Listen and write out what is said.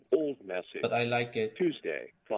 But I Like It.